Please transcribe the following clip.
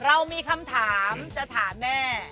เรามีคำถามจะถามแม่